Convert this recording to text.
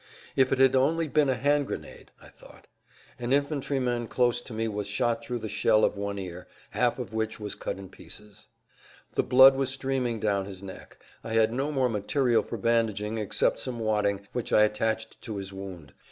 "If it had only been a hand grenade," I thought. An infantryman close to me was shot through the shell of one ear, half of which was cut in pieces; the blood was streaming down his neck. I had no more material for bandaging except some wadding, which I attached to his wound.